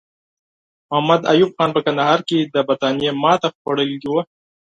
محمد ایوب خان په کندهار کې له برټانیې ماته خوړلې وه.